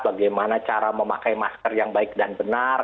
bagaimana cara memakai masker yang baik dan benar